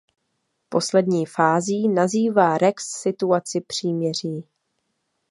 Poslední fází nazývá Rex situaci příměří.